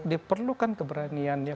diperlukan keberanian ya